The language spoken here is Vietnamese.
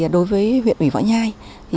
đối với huyện ủy võ nhai